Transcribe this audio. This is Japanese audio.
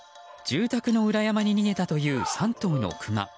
住宅の裏山に逃げたという３頭のクマ。